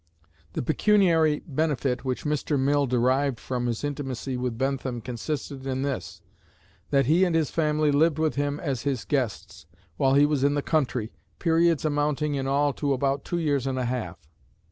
The pecuniary benefit which Mr. Mill derived from his intimacy with Bentham consisted in this, that he and his family lived with him as his guests, while he was in the country, periods amounting in all to about two years and a half.